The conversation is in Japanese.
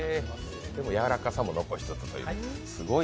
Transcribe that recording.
でもやわらかさも残しつつというね。